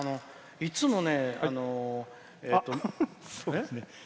いつもね。